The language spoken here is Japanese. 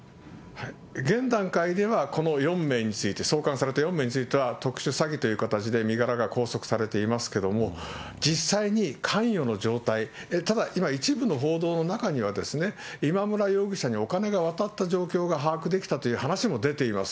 現段階では、この４名について、送還された４名については、特殊詐欺という形で身柄が拘束されていますけれども、実際に関与の状態、ただ、今、一部の報道の中にはですね、今村容疑者にお金が渡った状況が把握できたという話も出ています。